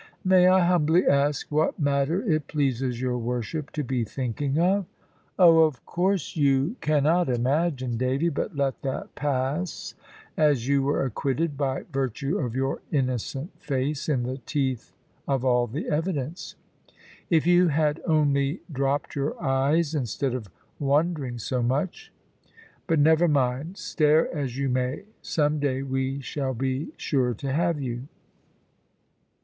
"May I humbly ask what matter it pleases your worship to be thinking of?" "Oh, of course you cannot imagine, Davy. But let that pass, as you were acquitted, by virtue of your innocent face, in the teeth of all the evidence. If you had only dropped your eyes, instead of wondering so much but never mind, stare as you may, some day we shall be sure to have you."